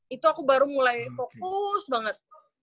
itu aku baru mulai fokus banget